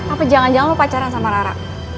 aku jangan jangan lo pacaran sama rara